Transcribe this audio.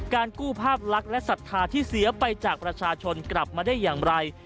การกู้ภาพลักษณ์และศรัทธาที่เสียไปจากประชาชนกลับมาได้อย่างไร